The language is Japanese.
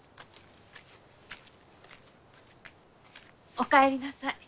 おかえりなさい。